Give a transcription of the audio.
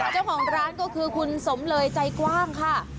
เจ้าของร้านก็คือคุณสมเลยใจกว้างค่ะ